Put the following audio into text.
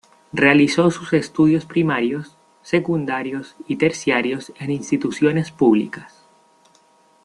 Realizó sus estudios primarios, secundarios y terciarios en instituciones públicas.